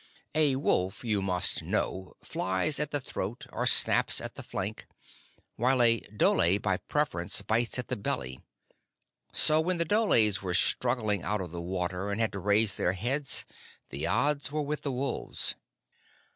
A wolf, you must know, flies at the throat or snaps at the flank, while a dhole, by preference, bites at the belly; so when the dholes were struggling out of the water and had to raise their heads, the odds were with the wolves.